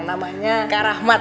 namanya kak rahmat